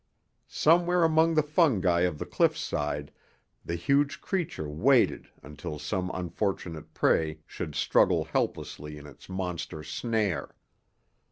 Somewhere among the fungi of the cliffside the huge creature waited until some unfortunate prey should struggle helplessly in its monster snare.